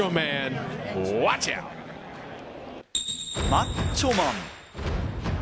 マッチョマン！